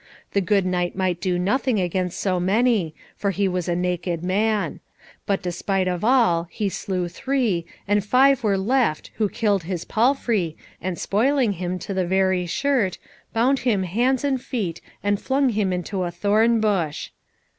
The good knight might do nothing against so many, for he was a naked man; but despite of all, he slew three, and five were left, who killed his palfrey, and spoiling him to the very shirt, bound him hands and feet, and flung him into a thorn bush.